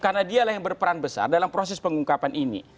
karena dialah yang berperan besar dalam proses pengungkapan ini